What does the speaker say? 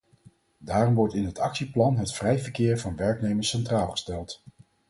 Daarom wordt in het actieplan het vrij verkeer van werknemers centraal gesteld.